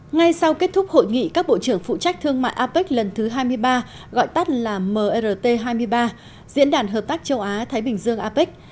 ngay sau kết thúc hội nghị các bộ trưởng phụ trách thương mại apec lần thứ hai mươi ba gọi tắt là mrt hai mươi ba diễn đàn hợp tác châu á thái bình dương apec